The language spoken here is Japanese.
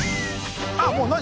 あっもう何？